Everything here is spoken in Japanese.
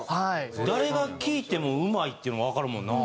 誰が聴いてもうまいっていうのがわかるもんな。